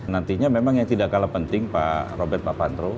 nantinya memang yang tidak kalah penting pak robert papandro